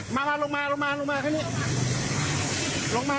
มาลงมาลงมาลงมาลงมา